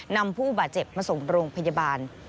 นำผู้บาดเจ็บมาส่งโรงพยาบาล